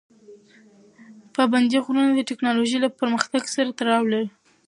پابندي غرونه د تکنالوژۍ له پرمختګ سره هم تړاو لري.